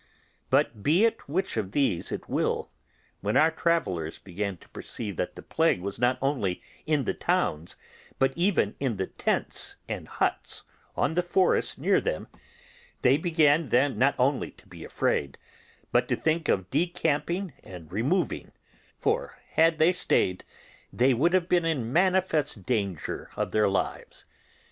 But be it which of these it will, when our travellers began to perceive that the plague was not only in the towns, but even in the tents and huts on the forest near them, they began then not only to be afraid, but to think of decamping and removing; for had they stayed they would have been in manifest danger of their lives.